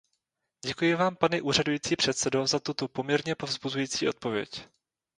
Děkuji vám, pane úřadující předsedo, za tuto poměrně povzbuzující odpověď.